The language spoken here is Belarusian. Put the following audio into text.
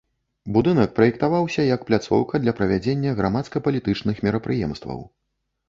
Будынак праектаваўся як пляцоўка для правядзення грамадска-палітычных мерапрыемстваў.